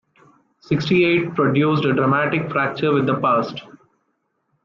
Sixty-eight produced a dramatic fracture with the past.